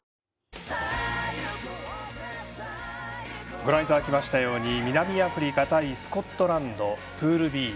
ご覧いただきましたように南アフリカ対スコットランドプールＢ